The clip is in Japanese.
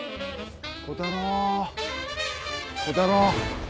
小太郎小太郎。